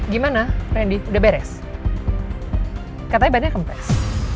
gimana randy udah beres katanya badannya kempes